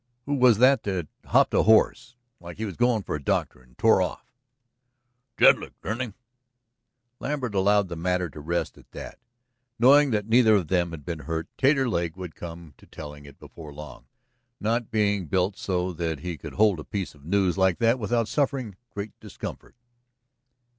"Who was that hopped a horse like he was goin' for the doctor, and tore off?" "Jedlick, dern him!" Lambert allowed the matter to rest at that, knowing that neither of them had been hurt. Taterleg would come to the telling of it before long, not being built so that he could hold a piece of news like that without suffering great discomfort.